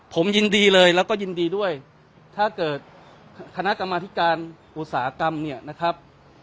ผมยินดีเลยแล้วก็ยินดีด้วยถ้าเกิดคณะกรรมธิการอุตสาหกรรมเนี่ยนะครับ